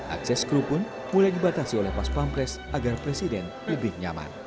akses kru pun mulai dibatasi oleh pas pampres agar presiden lebih nyaman